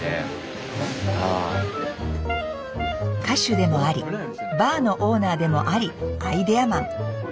歌手でもありバーのオーナーでもありアイデアマン。